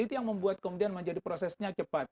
itu yang membuat kemudian menjadi prosesnya cepat